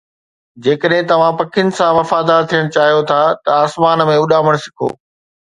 جيڪڏهن توهان پکين سان وفادار ٿيڻ چاهيو ٿا ته آسمان ۾ اڏامڻ سکو